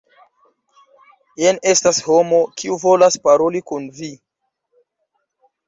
Jen estas homo, kiu volas paroli kun vi.